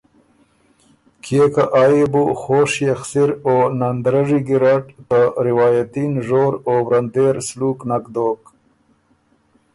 کيې که آ يې بو خوشيې خسِر او نندرَرّي ګیرډ ته روائتي نژور او ورندېر سلوک نک دوک